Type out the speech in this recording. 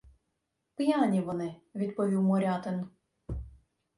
— П'яні вони, — відповів Морятин.